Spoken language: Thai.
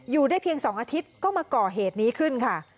อยู่ได้เพียง๒อาทิตย์ก็มาก่อเหตุนี้ขึ้นค่ะ